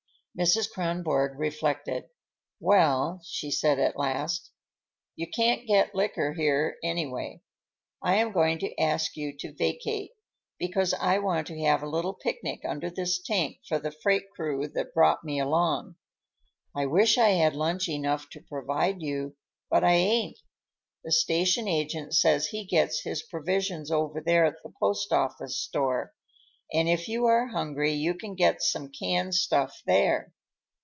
Mrs. Kronborg reflected. "Well," she said at last, "you can't get liquor here, anyway. I am going to ask you to vacate, because I want to have a little picnic under this tank for the freight crew that brought me along. I wish I had lunch enough to provide you, but I ain't. The station agent says he gets his provisions over there at the post office store, and if you are hungry you can get some canned stuff there."